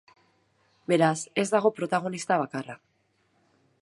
Beraz, ez dago protagonista bakarra.